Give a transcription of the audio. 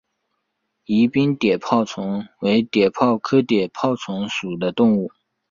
宜宾碘泡虫为碘泡科碘泡虫属的动物。